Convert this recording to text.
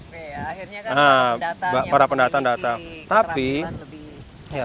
oke akhirnya kan pendatang yang memiliki keterampilan lebih